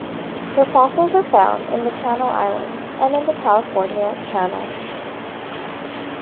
Their fossils are found in the Channel Islands and in the California Channel.